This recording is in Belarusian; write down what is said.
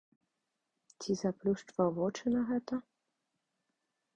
Ці заплюшчваў вочы на гэта?